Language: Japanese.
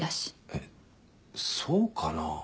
えっそうかな？